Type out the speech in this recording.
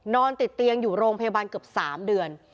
นอนติดเตียงอยู่โรงพยาบาลเกือบ๓เดือน